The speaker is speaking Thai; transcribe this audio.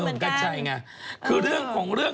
เหมือนใครก็บอกว่าเหมือนกางนึง